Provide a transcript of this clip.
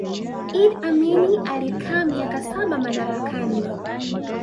Idi Amin alikaa miaka saba madarakani